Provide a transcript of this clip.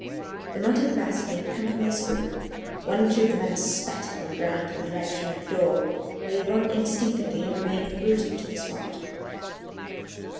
The muttered blasphemy had come from this group; one or two of the men spat upon the ground in the direction of the door, where Yvonne instinctively had remained rooted to the spot.